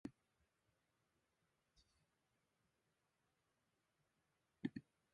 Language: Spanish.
Reformó la acuñación de monedas y el comercio en el país.